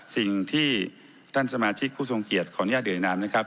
สิ่งที่ท่านสมาชิกผู้ทรงเกียรติของย่าเดือนนามนะครับ